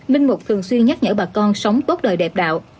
linh mục thường xuyên nhắc nhở bà con sống tốt đời đẹp đạo